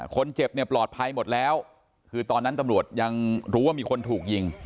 คนเจ็บเนี่ยปลอดภัยหมดแล้วคือตอนนั้นตำรวจยังรู้ว่ามีคนถูกยิง